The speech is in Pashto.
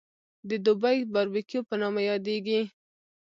د دوبۍ باربکیو په نامه یادېږي.